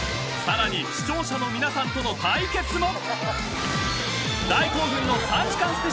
［さらに視聴者の皆さんとの対決も！］